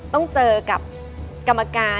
ต้องเจอกับกรรมการ